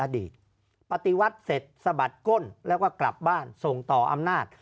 อดีตปฏิวัติเสร็จสะบัดก้นแล้วก็กลับบ้านส่งต่ออำนาจ